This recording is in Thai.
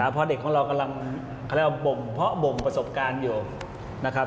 เพราะเด็กของเรากำลังเขาเรียกว่าบ่งประสบการณ์อยู่นะครับ